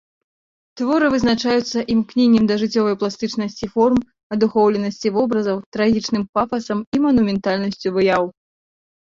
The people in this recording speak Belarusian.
Творы вызначаюцца імкненнем да жыццёвай пластычнасці форм, адухоўленасці вобразаў, трагічным пафасам і манументальнасцю выяў.